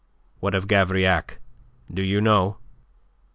"What of Gavrillac? Do you know?"